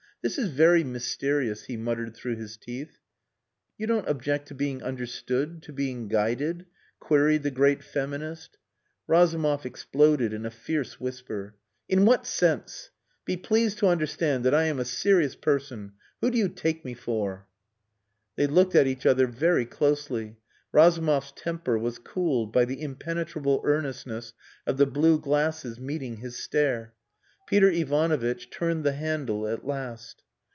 "This is very mysterious," he muttered through his teeth. "You don't object to being understood, to being guided?" queried the great feminist. Razumov exploded in a fierce whisper. "In what sense? Be pleased to understand that I am a serious person. Who do you take me for?" They looked at each other very closely. Razumov's temper was cooled by the impenetrable earnestness of the blue glasses meeting his stare. Peter Ivanovitch turned the handle at last.